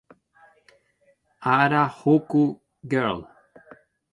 Harajuku Girl".